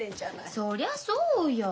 そりゃそうよ。